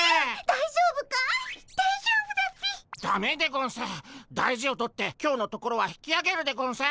大事を取って今日のところは引きあげるでゴンス。